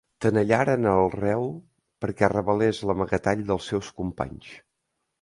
Tenallaren el reu perquè revelés l'amagatall dels seus companys.